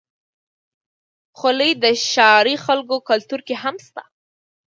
خولۍ د ښاري خلکو کلتور کې هم شته.